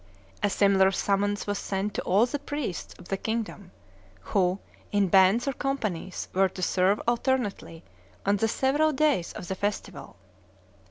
A similar summons was sent to all the priests of the kingdom, who, in bands or companies, were to serve alternately, on the several days of the festival.